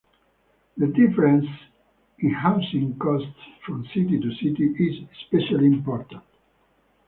The difference in housing costs from city to city is especially important.